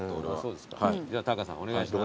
ではタカさんお願いします。